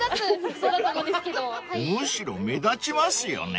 ［むしろ目立ちますよね］